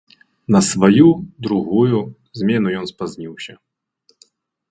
На сваю, другую, змену ён спазніўся.